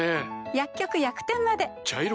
薬局・薬店まで茶色が目印！